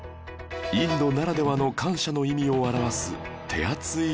インドならではの感謝の意味を表す手厚い